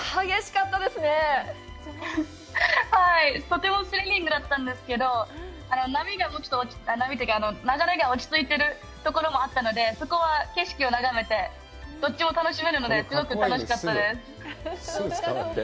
とてもスリリングだったんですけど、波が、波というか、流れが落ちついてるところもあったので、そこは景色を眺めて、どっちも楽しめるので、すごく楽しかったです。